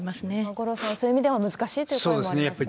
五郎さん、そういう意味では難しいという声もありますよね。